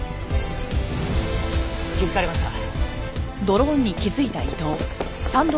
気づかれました。